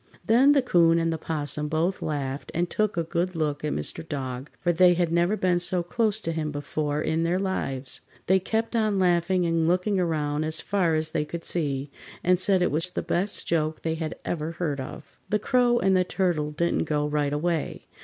Then the 'Coon and the 'Possum both laughed and took a good look at Mr. Dog, for they had never been so close to him before in their lives. They kept on laughing and looking around as far as they could see, and said it was the best joke they had ever heard of. The Crow and the Turtle didn't go right away.